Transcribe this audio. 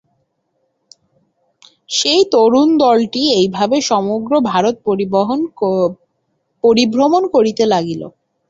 সেই তরুণদলটি এইভাবে সমগ্র ভারত পরিভ্রমণ করিতে লাগিল।